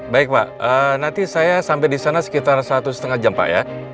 baik pak nanti saya sampai di sana sekitar satu lima jam pak ya